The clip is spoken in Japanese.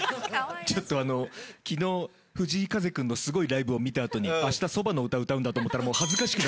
ちょっとあの昨日藤井風君のすごいライブを見た後に明日そばの歌歌うんだと思ったら。